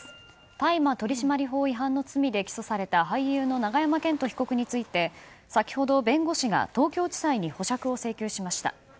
大麻取締法違反の罪で起訴された俳優の永山絢斗被告について先ほど弁護士が東京地裁に保釈を請求しました。